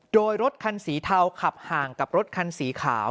โดยรถคันสีเทาขับห่างกับรถคันสีขาว